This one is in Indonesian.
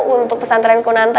untuk pesantren kunanta